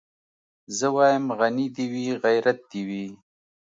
زه وايم غني دي وي غيرت دي وي